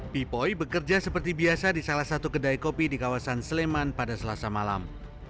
pipoi bekerja seperti biasa di salah satu kedai kopi di kawasan sleman pada selasa malam